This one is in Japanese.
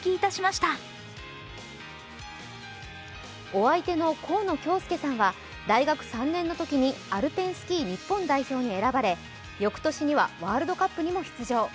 お相手の河野恭介さんは大学３年のときにアルペンスキー日本代表に選ばれ翌年にはワールドカップにも出場。